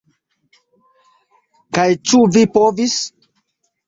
Kaj ĉu vi povis?